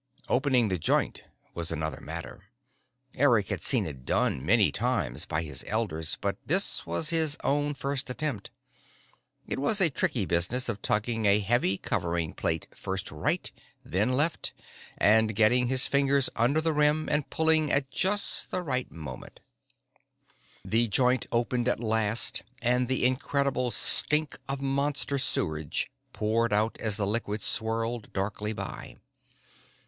Opening the joint was another matter. Eric had seen it done many times by his elders, but this was his own first attempt. It was a tricky business of tugging a heavy covering plate first right, then left, and getting his fingers under the rim and pulling at just the right moment. The joint opened at last, and the incredible stink of Monster sewage poured out as the liquid swirled darkly by.